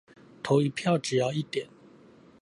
投一票只要一點